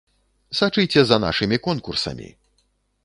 Сачыце за нашымі конкурсамі!